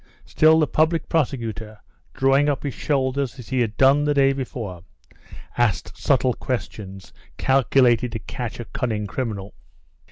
Still the public prosecutor, drawing up his shoulders as he had done the day before, asked subtle questions calculated to catch a cunning criminal.